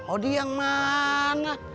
odi yang mana